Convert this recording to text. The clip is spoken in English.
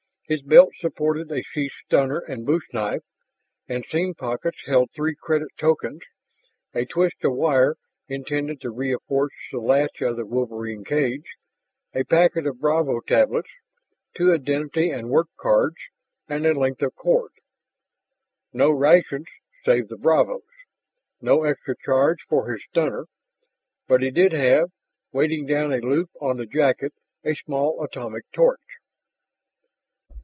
His belt supported a sheathed stunner and bush knife, and seam pockets held three credit tokens, a twist of wire intended to reinforce the latch of the wolverine cage, a packet of bravo tablets, two identity and work cards, and a length of cord. No rations save the bravos no extra charge for his stunner. But he did have, weighing down a loop on the jacket, a small atomic torch.